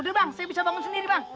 udah bang saya bisa bangun sendiri bang